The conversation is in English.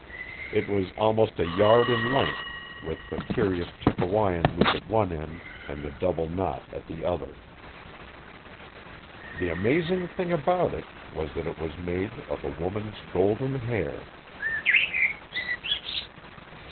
It was almost a yard in length, with the curious Chippewyan loop at one end and the double knot at the other. The amazing thing about it was that it was made of a woman's golden hair.